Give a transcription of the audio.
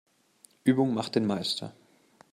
Übung macht den Meister.